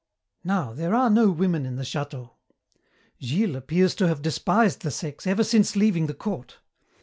"Now, there are no women in the château. Gilles appears to have despised the sex ever since leaving the court.